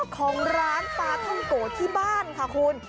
ของร้านปลาท่องโกที่บ้านค่ะคุณ